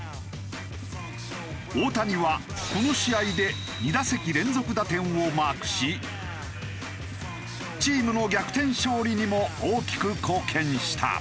大谷はこの試合で２打席連続打点をマークしチームの逆転勝利にも大きく貢献した。